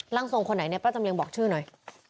ทรงคนไหนเนี่ยป้าจำเรียงบอกชื่อหน่อย